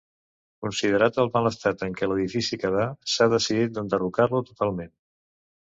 Considerat el mal estat en què l'edifici quedà, s'ha decidit d'enderrocar-lo totalment.